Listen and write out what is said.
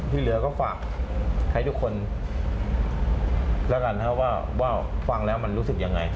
ที่เหลือก็ฝากให้ทุกคนแล้วกันนะครับว่าฟังแล้วมันรู้สึกยังไง